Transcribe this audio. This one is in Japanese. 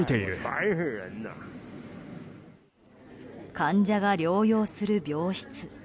患者が療養する病室。